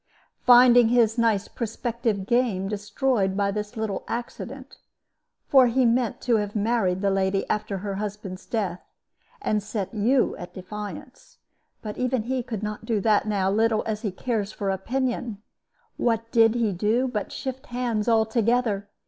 "Finding his nice prospective game destroyed by this little accident for he meant to have married the lady after her husband's death, and set you at defiance; but even he could not do that now, little as he cares for opinion what did he do but shift hands altogether?